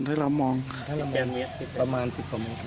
ประมาณสิบกว่ามิตรนะครับ